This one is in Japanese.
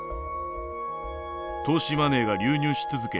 投資マネーが流入し続け